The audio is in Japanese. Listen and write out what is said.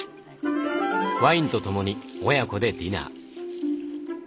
ワインと共に親子でディナー。